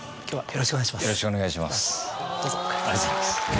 よろしくお願いします。